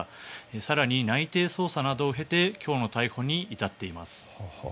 更に内偵捜査などを経て今日の逮捕に至っています。